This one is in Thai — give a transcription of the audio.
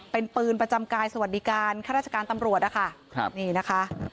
เป็นปืนประจำกายสวัสดิการข้าราชการตำรวจนะคะครับนี่นะคะ